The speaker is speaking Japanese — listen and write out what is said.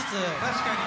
確かに。